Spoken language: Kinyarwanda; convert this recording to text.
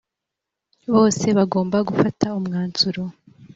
bose bagomba gufata umwanzuro